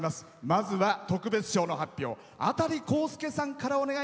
まずは、特別賞の発表。